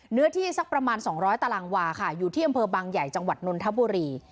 เนื้อที่สักประมาณ๒๐๐ตารางวาค่ะอยู่ที่อำเภอบางใหญ่จังหวัดนนทบุรี